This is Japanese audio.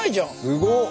すごっ！